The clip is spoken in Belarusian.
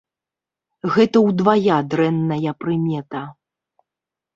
Гэта ўдвая дрэнная прымета.